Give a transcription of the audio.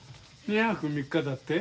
２泊３日だって？